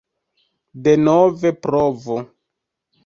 Denove provu